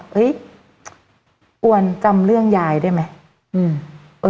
เฮ้ยอุ่นจำเรื่องยายได้มั้ย